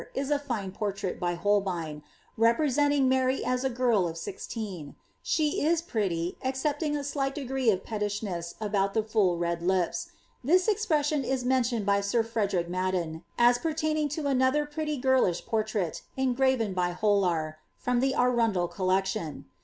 is a fine portrait, by Holbein, rgpreaentiog Miuj at a giil of ■ixteen ; she is pretty, excepting a slight degree of petlishneM about the full red lips ; this expression is menticHied by sir Frederic Madden, ai pertaining to another pretty girlish portrait, engraTed by Hollar, torn the Arundel Collection.